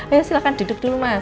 ayo silakan duduk dulu mas